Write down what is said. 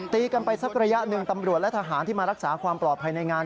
ตีกันไปสักระยะหนึ่งตำรวจและทหารที่มารักษาความปลอดภัยในงาน